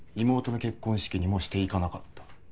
妹の結婚式にもしていかなかった。